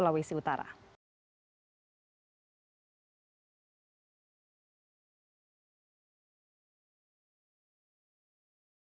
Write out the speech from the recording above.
kalau polskara kami sangat semangat